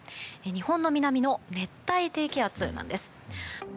日本の南の熱帯低気圧なんです。